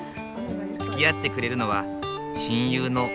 つきあってくれるのは親友の前田敏子さん